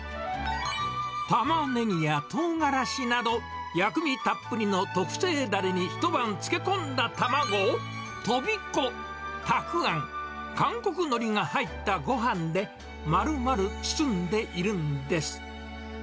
タマネギやトウガラシなど、薬味たっぷりの特製だれに一晩漬け込んだ卵を、トビコ、たくあん、韓国のりが入ったごはんで、まるまる包んでいるんです。